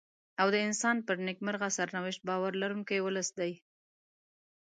او د انسان پر نېکمرغه سرنوشت باور لرونکی ولس دی.